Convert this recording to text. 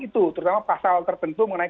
itu terutama pasal tertentu mengenai